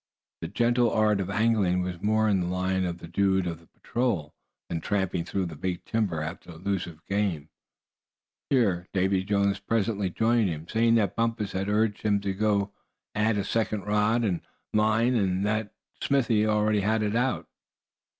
The gentle art of angling was more in the line of the dude of the patrol than tramping through the big timber after elusive game. Here Davy Jones presently joined him, saying that Bumpus had urged him to add a second rod and line to that Smithy already had out.